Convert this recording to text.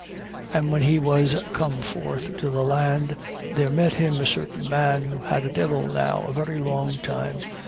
8:27. And when he was come forth to the land, there met him a certain man who had a devil now a very long time.